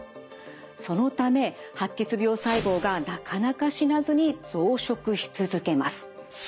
そのため白血病細胞がなかなか死なずに増殖し続けます。